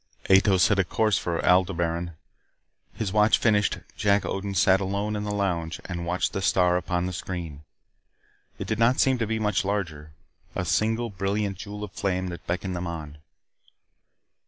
Ato set a course for Aldebaran. His watch finished, Jack Odin sat alone in the lounge and watched the star upon the screen. It did not seem to be much larger. A single brilliant jewel of flame that beckoned them on.